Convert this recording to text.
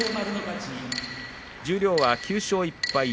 十両は９勝１敗